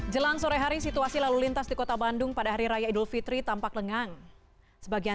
jalan asia afrika